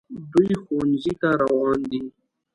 دوی ښوونځي ته روان دي